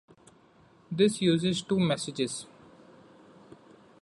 This uses two messages.